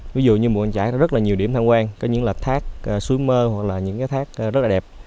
ví dụ như ngũ căng trải có rất nhiều điểm thăm quan có những thác suối mơ hoặc là những thác rất là đẹp